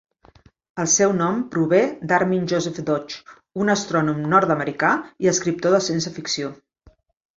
El seu nom prové d'Armin Joseph Deutsch, un astrònom nord-americà i escriptor de ciència ficció.